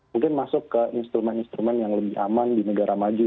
mungkin masuk ke instrumen instrumen yang lebih aman di negara maju